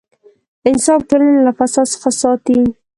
انصاف ټولنه له فساد څخه ساتي.